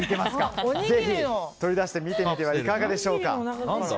ぜひ取り出して見てみてはいかがでしょうか。